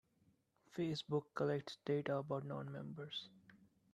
Facebook collects data about non-members.